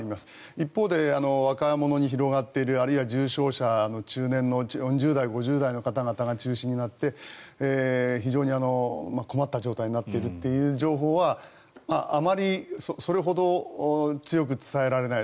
一方で若者に広がっているあるいは重症者の中年の４０代、５０代の方が中心になって非常に困った状態になっているという情報はあまりそれほど強く伝えられない。